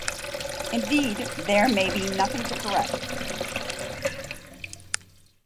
Indeed, there may be nothing to correct.